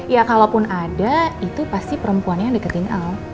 ya kalaupun ada itu pasti perempuan yang deketin out